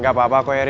kita harus mencari